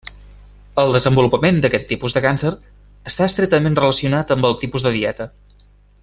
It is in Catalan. El desenvolupament d’aquest tipus de càncer està estretament relacionat amb el tipus de dieta.